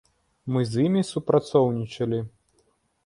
Мы з імі супрацоўнічалі.